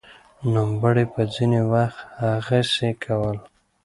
نوموړي به ځیني وخت هغسې کول